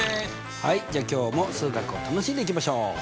はいじゃあ今日も数学を楽しんでいきましょう。